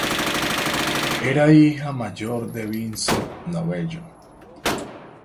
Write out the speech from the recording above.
Era la hija mayor de Vincent Novello.